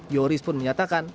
yoris pun menyatakan